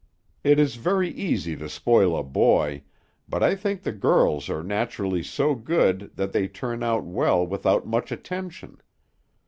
It is very easy to spoil a boy, but I think the girls are naturally so good that they turn out well without much attention.